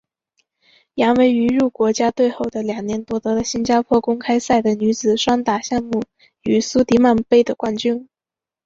杨维于入国家队后的两年夺得了新加坡公开赛的女子双打项目与苏迪曼杯的冠军。